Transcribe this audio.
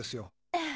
ええ。